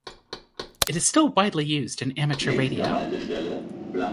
It is still widely used in amateur radio.